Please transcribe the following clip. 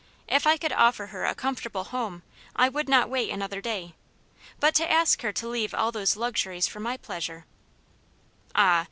If I could offer her a comfortable home I would not wait another day. But to ask her to leave all those luxuries for my pleasure I "" Ah !